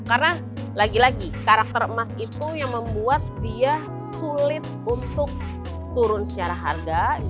karena lagi lagi karakter emas itu yang membuat dia sulit untuk turun secara harga